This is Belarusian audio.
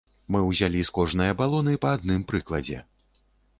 Мы ўзялі з кожнае балоны па адным прыкладзе.